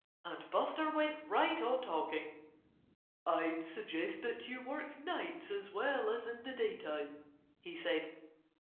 And Buster went right on talking. "I'd suggest that you work nights as well as in the daytime," he said.